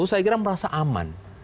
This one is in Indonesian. saya kira merasa aman